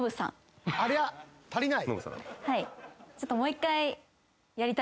ありゃ足りない？